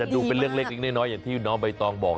จะมีเรื่องเลขน้อยอย่างที่น้องบัยตอนทร์บอก